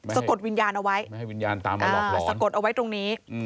สะกดวิญญาณเอาไว้สะกดเอาไว้ตรงนี้